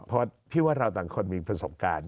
เพราะพี่ว่าเราต่างคนมีประสบการณ์